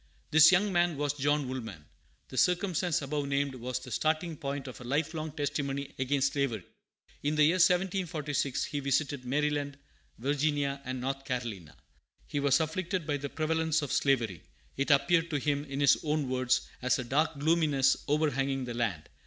This young man was John Woolman. The circumstance above named was the starting point of a life long testimony against slavery. In the year 1746 he visited Maryland, Virginia, and North Carolina. He was afflicted by the prevalence of slavery. It appeared to him, in his own words, "as a dark gloominess overhanging the land."